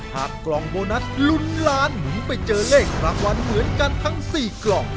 กล่องโบนัสลุ้นล้านหมุนไปเจอเลขรางวัลเหมือนกันทั้ง๔กล่อง